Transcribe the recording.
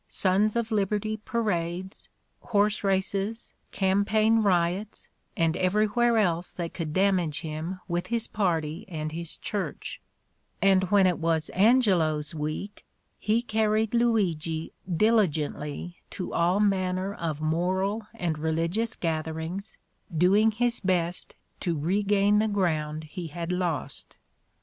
Sons of Liberty parades, horse races, campaign riots, and everywhere else that could damage him with his party and his church; and when it was Angelo 's week he carried Luigi diligently to all manner of moral and religious gatherings, doing his best to regain the ground he had lost."